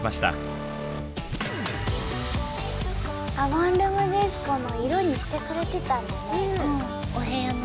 「ワンルーム・ディスコ」の色にしてくれてたんだね。